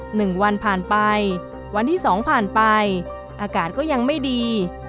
หนึ่งวันผ่านไปวันที่สองผ่านไปอากาศก็ยังไม่ดี